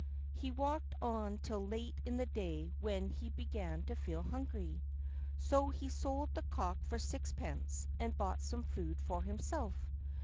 He walked on till late in the day, when he began to feel hungry. So he sold the cock for sixpence and bought some food for himself.